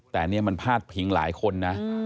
แต่นี่มันพาดพิงหลายคนนะ